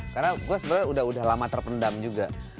karena gue sebenarnya udah lama terpendam juga